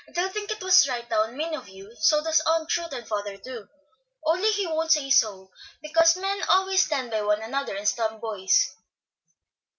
I do think it was right down mean of you; so does Aunt Ruth, and father too, only he wont say so, because men always stand by one another, and snub boys."